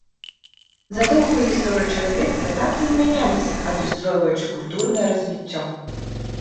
За доўгую гісторыю чалавецтва танцы змяняліся, адлюстроўваючы культурнае развіццё.